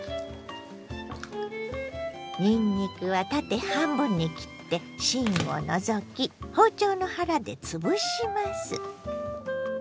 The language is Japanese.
にんにくは縦半分に切って芯を除き包丁の腹でつぶします。